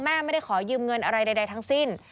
แม่ไม่ได้ขอยืมเงินอะไรใดทั้งสิ้น